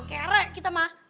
kere kita ma